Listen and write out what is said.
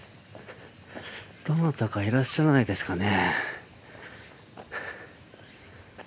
どなたかいらっしゃらないですかね？